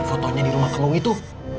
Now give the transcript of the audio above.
fotonya di rumah klu itu